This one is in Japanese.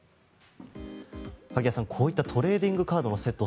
萩谷さん、こういったトレーディングカードの窃盗